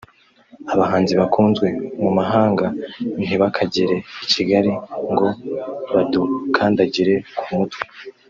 Abahanzi bakunzwe mu mahanga ntibakagere i Kigali ngo badukandagire ku mutwe